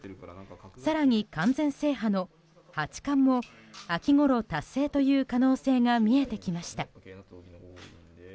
更に完全制覇の八冠も秋ごろ達成という可能性が見えてきました。